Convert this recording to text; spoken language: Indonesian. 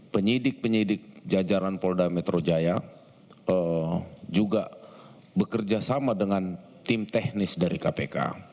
penyidik penyidik jajaran polda metro jaya juga bekerja sama dengan tim teknis dari kpk